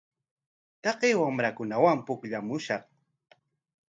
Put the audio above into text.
Taqay wamrakunawan pukllamushun.